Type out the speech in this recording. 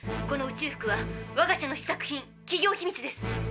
この宇宙服はわが社の試作品企業秘密です。